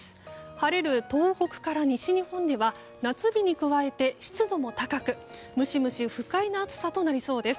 晴れる東北から西日本では夏日に加えて湿度も高くムシムシ不快な暑さとなりそうです。